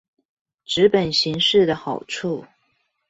紙本形式的好處